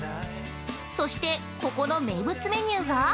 そして、ここの名物メニューが？